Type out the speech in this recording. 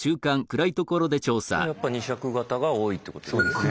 やっぱ２色型が多いってことですね。